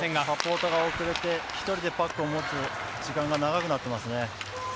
サポートが遅れて１人でパックを持つ時間が長くなっていますね。